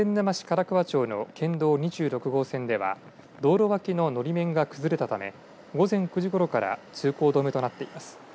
唐桑町の県道２６号線では道路脇ののり面が崩れたため午前９時ごろから通行止めとなっています。